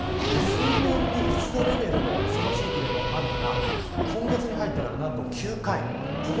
数年に一度レベルのその地域での雨が今月に入ってからなんと９回。